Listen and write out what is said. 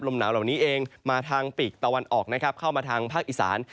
หนาวเหล่านี้เองมาทางปีกตะวันออกนะครับเข้ามาทางภาคอีสาน